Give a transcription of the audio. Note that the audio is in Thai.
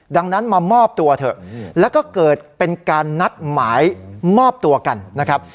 ดังนั้นมามอบตัวเถอะแล้วก็เกิดเป็นการนัดหมายมอบตัวกันนะครับ